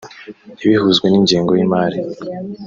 ntibihuzwe n’ingengo y’imari